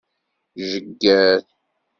Jegger.